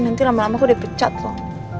nanti lama lama aku dipecat loh